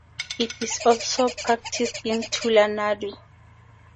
It is also practised in Tulunadu.